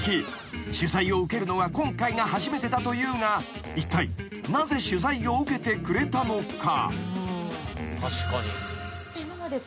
［取材を受けるのは今回が初めてだというがいったいなぜ取材を受けてくれたのか？］